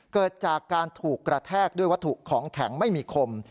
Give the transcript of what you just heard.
เกิดจากการถูกกระแทกด้วยวัตถุของแข็งไม่มีคม